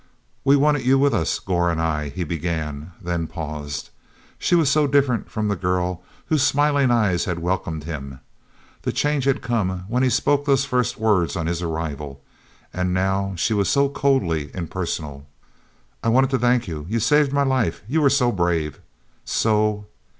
"We wanted you with us, Gor and I," he began, then paused. She was so different from the girl whose smiling eyes had welcomed him. The change had come when he spoke those first words on his arrival, and now she was so coldly impersonal. "I wanted to thank you. You saved my life; you were so brave, so...."